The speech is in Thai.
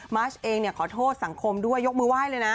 มาชเองขอโทษสังคมด้วยยกมือไหว้เลยนะ